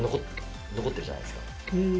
残ってるじゃないですか。